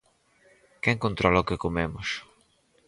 Quen controla o que comemos?